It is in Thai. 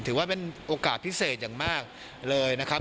ถือว่าเป็นโอกาสพิเศษอย่างมากเลยนะครับ